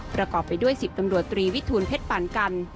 ประกอบไปด้วย๑๐ตำรวจตรีวิทูลเพชรปั่นกัน